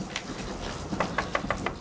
kau ingin berbahagia